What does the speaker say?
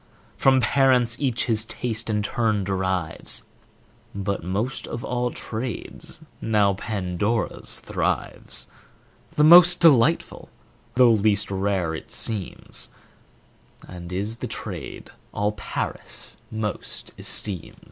From parents each his taste and turn derives: But most of all trades now Pandora's thrives; The most delightful, though least rare it seems, And is the trade all Paris most esteems.